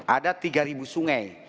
ada tiga sungai